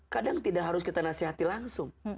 kadang tidak harus kita nasihati langsung